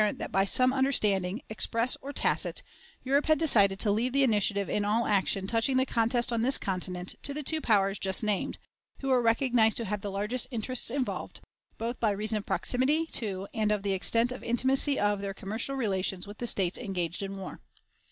Some of the other powers of Europe pursued the same course of policy, and it became apparent that by some understanding, express or tacit, Europe had decided to leave the initiative in all action touching the contest on this continent to the two powers just named, who were recognized to have the largest interests involved, both by reason of proximity to and of the extent of intimacy of their commercial relations with the States engaged in war.